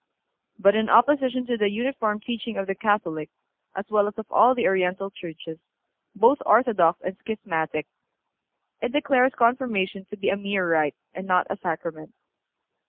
But, in opposition to the uniform teaching of the Catholic, as well as of all the Oriental churches, both orthodox and schismatic, it declares Confirmation to be a mere rite and not a Sacrament.